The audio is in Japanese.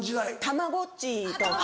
たまごっちとか。